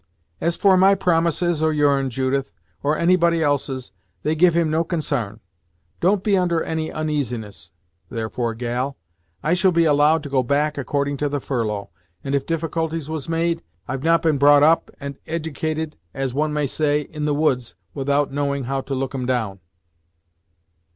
As for my promises, or your'n, Judith, or any body else's, they give him no consarn. Don't be under any oneasiness, therefore, gal; I shall be allowed to go back according to the furlough; and if difficulties was made, I've not been brought up, and edicated as one may say, in the woods, without knowing how to look 'em down."